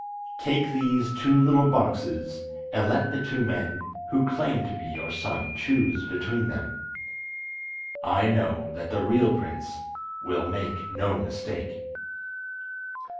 Take these two little boxes and let the two men who claim to be your son choose between them. I know that the real prince will make no mistake."